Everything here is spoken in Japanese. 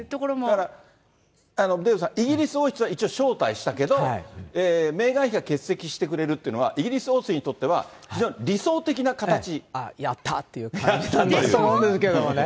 だからデーブさん、イギリス王室は一応招待したけど、メーガン妃が欠席してくれるというのはイギリス王室にとっては、非常に理想的な形？やったーっていう感じだと思いますけどね。